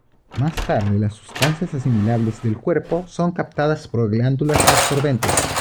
Más tarde las sustancias asimilables del cuerpo son captadas por glándulas absorbentes.